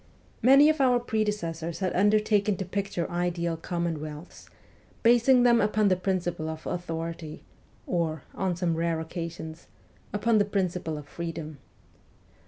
Many of our predecessors had undertaken to picture ideal commonwealths, basing them upon the principle of authority, or, on some rare occasions upon the principle of freedom.